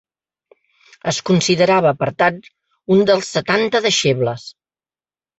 Es considerava, per tant, un dels Setanta deixebles.